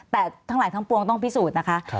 แต่ทั้งหลายทั้งปวงต้องพิสูจน์นะคะ